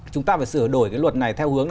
chúng ta phải sửa đổi cái luật này theo hướng là